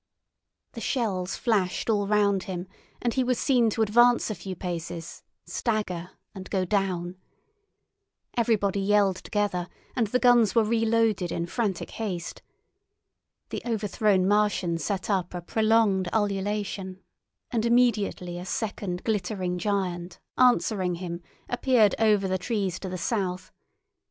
The shells flashed all round him, and he was seen to advance a few paces, stagger, and go down. Everybody yelled together, and the guns were reloaded in frantic haste. The overthrown Martian set up a prolonged ululation, and immediately a second glittering giant, answering him, appeared over the trees to the south.